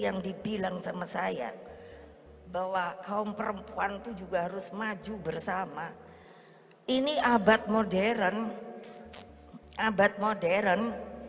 yang dibilang sama saya bahwa kaum perempuan tuh juga harus maju bersama ini abad modern abad modern